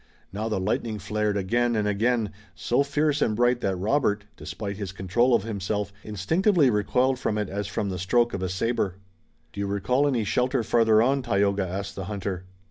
Now the lightning flared again and again, so fierce and bright that Robert, despite his control of himself, instinctively recoiled from it as from the stroke of a saber. "Do you recall any shelter farther on, Tayoga?" asked the hunter.